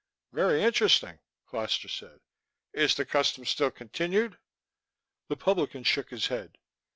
"Very interesting," Foster said. "Is the custom still continued?" The publican shook his head.